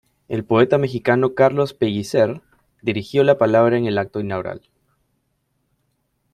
El poeta mexicano Carlos Pellicer dirigió la palabra en el acto inaugural.